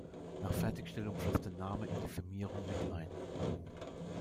Nach Fertigstellung floss der Name in die Firmierung mit ein.